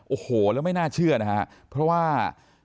โอ้โหแล้วไม่น่าเชื่อนะฮะเพราะว่า